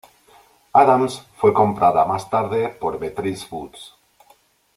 Adams fue comprada más tarde por Beatrice Foods.